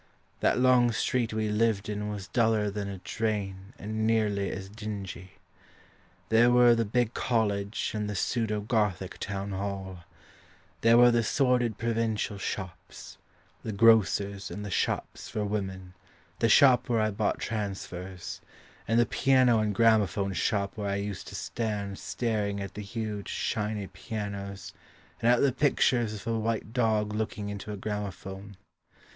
The long street we lived in Was duller than a drain And nearly as dingy. There were the big College And the pseudo Gothic town hall. There were the sordid provincial shops The grocer's, and the shops for women, The shop where I bought transfers, And the piano and gramaphone shop Where I used to stand Staring at the huge shiny pianos and at the pictures Of a white dog looking into a gramaphone.